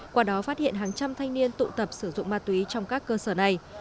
qua đó phát hiện hàng trăm thanh niên tụ tập sử dụng ma túy trong các cơ sở này